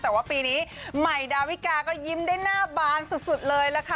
แต่ว่าปีนี้ใหม่ดาวิกาก็ยิ้มได้หน้าบานสุดเลยล่ะค่ะ